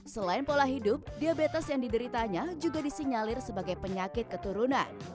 selain pola hidup diabetes yang dideritanya juga disinyalir sebagai penyakit keturunan